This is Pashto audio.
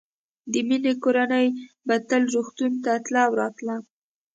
د مينې کورنۍ به تل روغتون ته تله او راتله